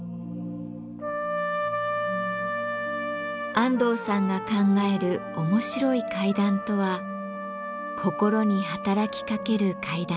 安藤さんが考える面白い階段とは「心に働きかける階段」です。